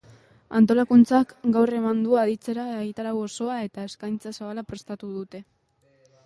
Antolakuntzak gaur eman du aditzera egitarau osoa eta eskaintza zabala prestatu dute.